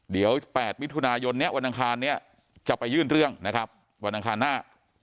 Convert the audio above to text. เดี๋ยว๘มิถุนายนวันทางคันก็จะไปยื่นเรื่องวันทางคันหน้า